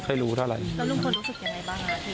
แล้วลุงพลรู้สึกยังไงบ้างครับ